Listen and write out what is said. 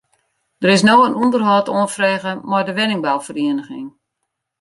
Der is no in ûnderhâld oanfrege mei de wenningbouferieniging.